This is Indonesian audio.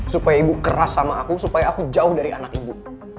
supaya ibu keras sama aku supaya aku jauh dari anak ibu